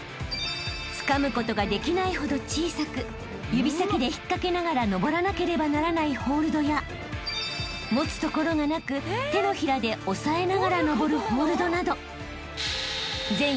［つかむことができないほど小さく指先で引っ掛けながら登らなければならないホールドや持つところがなく手のひらで押さえながら登るホールドなど］